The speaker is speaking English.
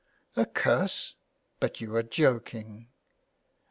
" A curse ! But you are joking."